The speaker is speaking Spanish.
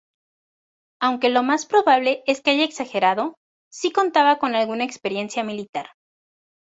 Aunque lo más probable es que haya exagerado, sí contaba con alguna experiencia militar.